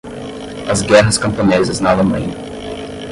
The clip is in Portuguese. As guerras camponesas na Alemanha